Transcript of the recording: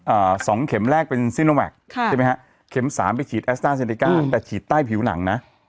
อ่าสองเข็มแรกเป็นค่ะใช่ไหมฮะเข็มสามไปฉีดอืมแต่ฉีดใต้ผิวหลังน่ะ